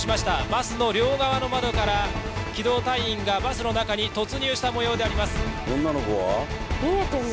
バスの両側の窓から機動隊員がバスの中に突入したもようです。